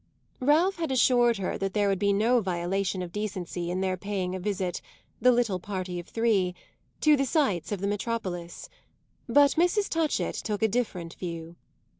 Ralph had assured her that there would be no violation of decency in their paying a visit the little party of three to the sights of the metropolis; but Mrs. Touchett took a different view.